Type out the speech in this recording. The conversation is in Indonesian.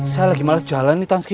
saya lagi males jalan nih tanski